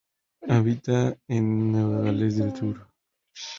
Habita en Nueva Gales del Sur.